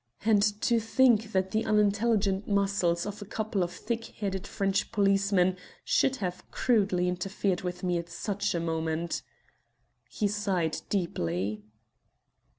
And to think that the unintelligent muscles of a couple of thick headed French policemen should have crudely interfered with me at such a moment!" He sighed deeply.